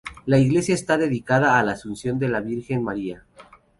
La iglesia está dedicada a la Asunción de la Virgen María.